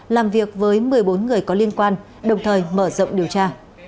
được với một mươi bốn người có liên quan đồng thời mở rộng điều tra